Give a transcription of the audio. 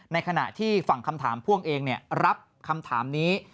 ในขณะที่ฝั่งคำถามพ่วงเองรับคำถามนี้